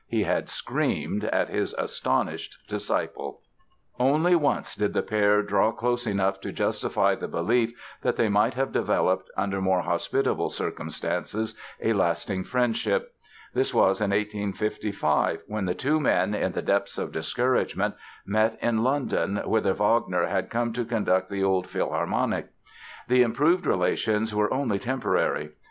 he had screamed at his astonished disciple. [Illustration: Taken in the last year of his life (1869)] Only once did the pair draw close enough to justify the belief that they might have developed, under more hospitable circumstances, a lasting friendship. This was in 1855, when the two men, in the depths of discouragement, met in London whither Wagner had come to conduct the Old Philharmonic. The improved relations were only temporary.